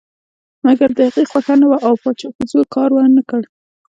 مګر د هغې خوښه نه وه او پاچا په زور کار ونه کړ.